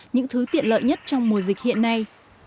những thứ tiện lợi nhất trong mùa dịch hiện nay